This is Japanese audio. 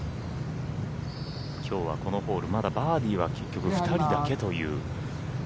きょうはこのホールまだバーディーは結局２人だけという。